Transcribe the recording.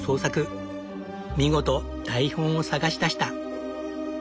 見事台本を探し出した。